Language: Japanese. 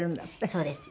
そうです。